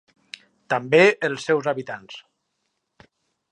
També els seus habitants.